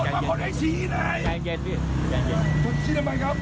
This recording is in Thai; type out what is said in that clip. ใจเย็นพี่